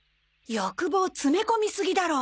欲望詰め込みすぎだろ。